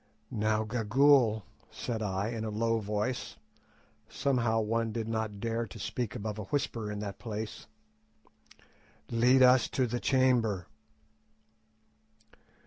"Now, Gagool," said I, in a low voice—somehow one did not dare to speak above a whisper in that place—"lead us to the chamber."